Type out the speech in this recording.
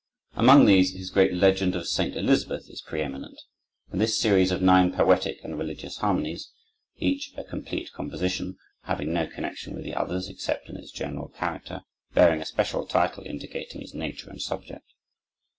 Among these, his great "Legend of St. Elizabeth" is preëminent, and this series of nine poetic and religious harmonies; each a complete composition, having no connection with the others except in its general character, bearing a special title indicating its nature and subject.